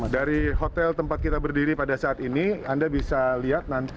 dari hotel tempat kita berdiri pada saat ini anda bisa lihat nanti